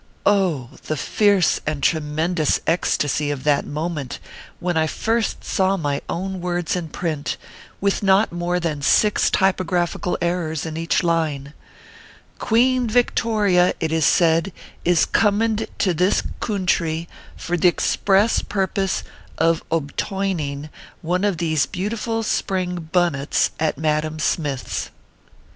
Oh ! the fierce and tremendous ecstasy of that moment when I first saw my own words in print, with not more than six typographical errors in each line :" QUEBN VICTORIA, it is said, is comind to this coontry for the xpress purpose of obtaining one of these beautiful spring bunnets at Madame Smith s."